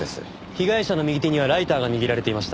被害者の右手にはライターが握られていました。